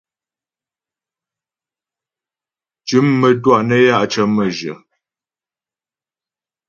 Tʉ̌m mə́twâ nə́ ya' cə̀ mə́jyə.